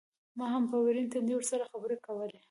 ما هم په ورين تندي ورسره خبرې کولې.